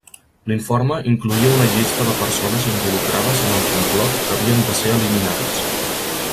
L'informe incloïa una llista de persones involucrades en el complot que havien de ser eliminades.